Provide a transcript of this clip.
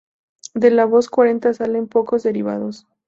De la voz cuarenta salen pocos derivados.